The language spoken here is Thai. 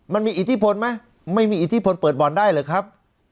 มันมีอิทธิพลไหมไม่มีอิทธิพลเปิดบ่อนได้หรือครับ